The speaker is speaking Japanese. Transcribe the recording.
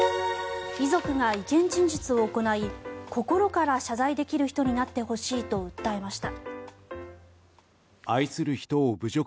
遺族が意見陳述を行い心から謝罪できる人になってほしいと訴えました。